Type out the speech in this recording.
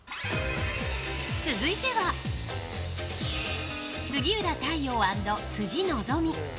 続いては、杉浦太陽＆辻希美。